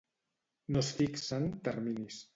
No es fixen terminis.